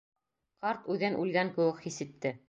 Ҡарт үҙен үлгән кеүек хис итте.